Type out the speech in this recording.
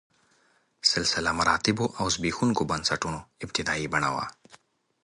سلسله مراتبو او زبېښونکو بنسټونو ابتدايي بڼه وه.